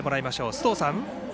須藤さん。